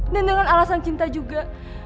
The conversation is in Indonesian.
dan dengan alasan cinta juga